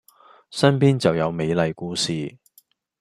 身邊就有美麗故事